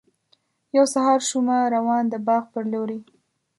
یو سهار شومه روان د باغ پر لوري.